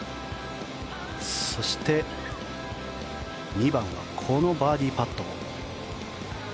そして、２番はこのバーディーパット。